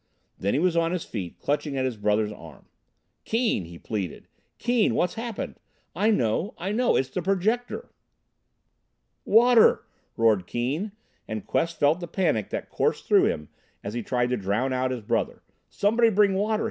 Then he was on his feet, clutching at his brother's arm. "Keane!" he pleaded, "Keane! What's happened? I know, I know! It's the Projector." "Water!" roared Keane, and Quest felt the panic that coursed through him as he tried to drown out his brother. "Somebody bring water!